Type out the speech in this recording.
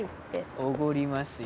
おごりますよ